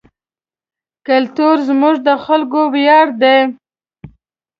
کلتور زموږ د خلکو ویاړ دی.